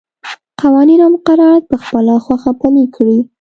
قوانین او مقررات په خپله خوښه پلي کړي.